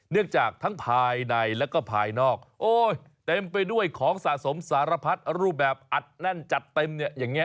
จากทั้งภายในแล้วก็ภายนอกโอ้ยเต็มไปด้วยของสะสมสารพัดรูปแบบอัดแน่นจัดเต็มเนี่ยอย่างนี้